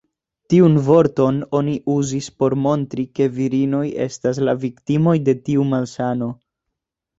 Tiun vorton oni uzis por montri ke virinoj estas la viktimoj de tiu malsano.